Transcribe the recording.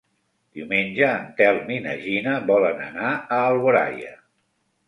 Diumenge en Telm i na Gina volen anar a Alboraia.